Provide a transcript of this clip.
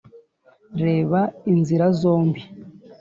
reba inzira zombi